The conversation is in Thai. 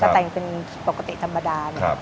แต่งเป็นปกติธรรมดา